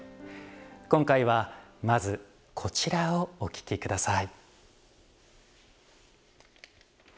今回はまずこちらをお聴き下さい。